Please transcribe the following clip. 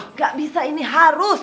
nggak bisa ini harus